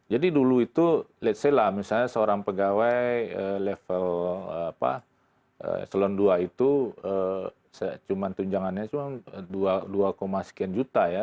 jadi dulu itu let's say lah misalnya seorang pegawai level selon dua itu cuma tunjangannya cuma dua sekian juta ya